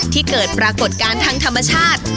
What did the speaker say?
ที่เกิดปรากฏการณ์ทางธรรมชาติ